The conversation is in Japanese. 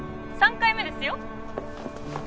３回目ですよ。